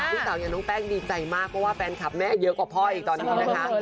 ลูกสาวอย่างน้องแป้งดีใจมากเพราะว่าแฟนคลับแม่เยอะกว่าพ่ออีกตอนนี้นะคะ